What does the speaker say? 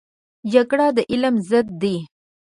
جګړه د علم ضد دی